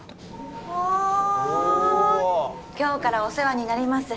わあ今日からお世話になります